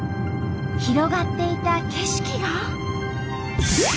広がっていた景色が。